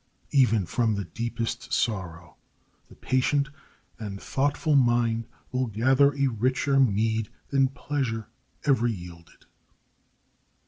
Even from the deepest sorrow the patient and thoughtful mind will gather a richer mead than pleasure ever yielded.